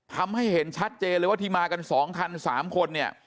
ทำให้เห็นชัดเจนเลยว่าที่มากัน๒คัน๓คนเนี่ย